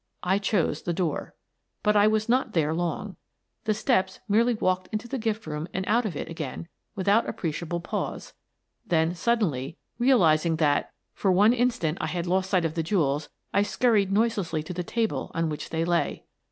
I chose the door. But I was not there long. The steps merely walked into the gift room and out of it again with out appreciable pause. Then, suddenly, realizing that, for one instant, I had lost sight of the jewels, I scurried noiselessly to the table on which they lay.